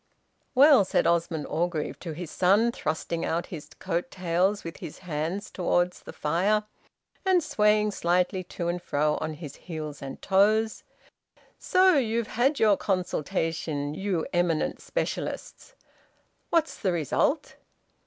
"Well," said Osmond Orgreave to his son, thrusting out his coat tails with his hands towards the fire, and swaying slightly to and fro on his heels and toes, "so you've had your consultation, you eminent specialists! What's the result?"